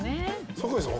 酒井さん